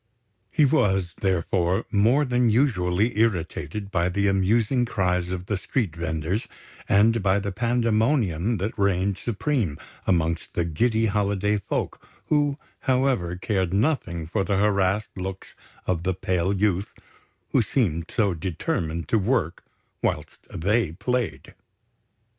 He was, therefore, more than usually irritated by the amusing cries of the street venders and by the pandemonium that reigned supreme amongst the giddy holiday folk, who, however, cared nothing for the harassed looks of the pale youth who seemed so determined to work whilst they played.